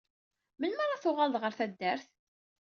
Melmi ara tuɣaleḍ ɣer taddart?